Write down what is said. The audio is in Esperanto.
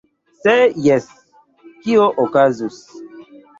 Se jes, kio okazus?!